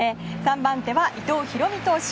３番手は、伊藤大海投手。